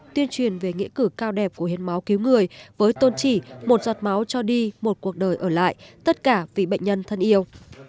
tuyên truyền về nghĩa cử cao đẹp của hiến máu cứu người với tôn chỉ một giọt máu cho đi một cuộc đời ở lại tất cả vì bệnh nhân thân yêu